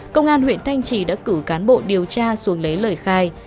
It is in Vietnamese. công an huyện thanh trì đã cử cán bộ điều tra xuống lấy lời khai